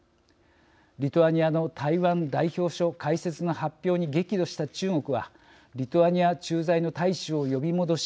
リトアニアの台湾代表処開設の発表に激怒した中国はリトアニア駐在の大使を呼び戻し